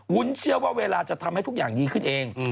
เชื่อว่าเวลาจะทำให้ทุกอย่างดีขึ้นเอง